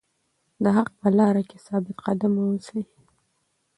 د حق په لاره کې ثابت قدم اوسئ.